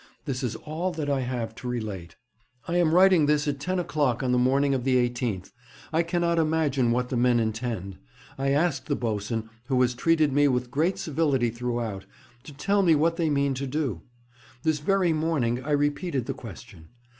This is all that I have to relate. 'I am writing this at ten o'clock on the morning of the 18th. I cannot imagine what the men intend. I asked the boatswain, who has treated me with great civility throughout, to tell me what they mean to do. This very morning I repeated the question.